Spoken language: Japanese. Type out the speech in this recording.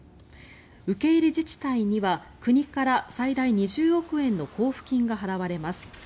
受け入れ自治体には国から最大２０億円の交付金が払われます。